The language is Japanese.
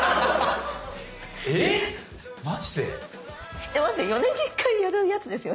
知ってますよ